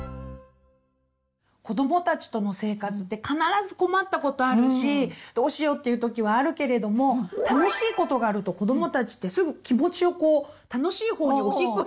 子どもたちとの生活って必ず困ったことあるし「どうしよう」っていう時はあるけれども楽しいことがあると子どもたちってすぐ気持ちをこう楽しいほうに「お引っ越し」できるんだよね。